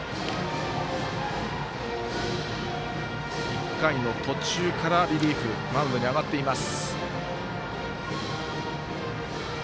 １回の途中からリリーフマウンドに上がっています。